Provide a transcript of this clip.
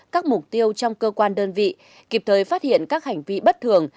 các mục tiêu trong cơ quan đơn vị kịp thời phát hiện các hành vi bất thường